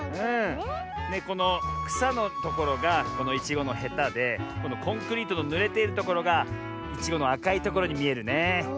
このくさのところがいちごのへたでこのコンクリートのぬれているところがいちごのあかいところにみえるね。